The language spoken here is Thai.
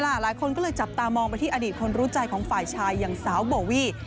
หลายคนก็เลยจับตามองไปที่อดีตคนรู้ใจของฝ่ายชายอย่างสาวโบวี่